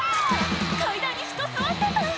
階段に人座ってた！